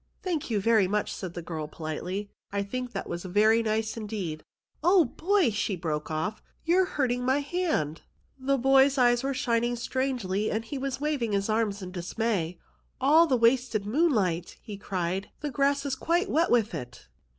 "Thank you very much," said the girl politely. " I think that was very nice indeed. Oh, boy !" she broke off, " you're hurting my hand !" The boy's eyes were shining strangely, and he was waving his arms in dismay. " All the wasted moonlight !" he cried ; the grass is quite wet with it."